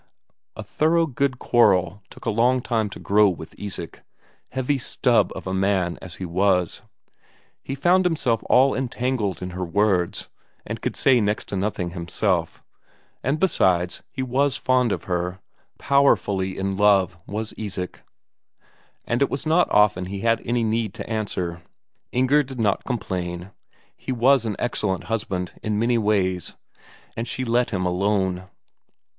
A thorough good quarrel took a long time to grow with Isak, heavy stub of a man as he was; he found himself all entangled in her words, and could say next to nothing himself; and besides, he was fond of her powerfully in love was Isak. And it was not often he had any need to answer. Inger did not complain; he was an excellent husband in many ways, and she let him alone.